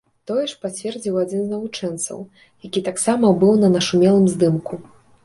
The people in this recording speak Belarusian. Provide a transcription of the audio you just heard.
Тое ж пацвердзіў адзін з навучэнцаў, які таксама быў на нашумелым здымку.